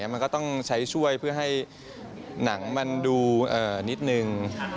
มันก็ต้องใช้ช่วยเพื่อให้หนังมันดูนิดนึง